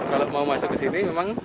kalau mau masuk ke sini memang